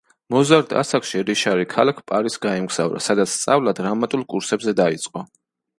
მოზარდ ასაკში რიშარი ქალაქ პარიზს გაემგზავრა, სადაც სწავლა დრამატულ კურსებზე დაიწყო.